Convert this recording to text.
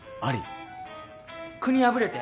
「国破れて」？